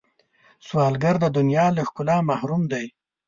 سوالګر د دنیا له ښکلا محروم دی